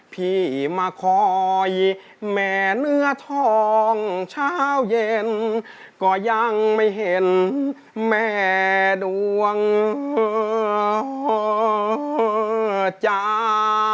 พี่มาคอยแม่เนื้อทองเช้าเย็นก็ยังไม่เห็นแม่ดวงจ้า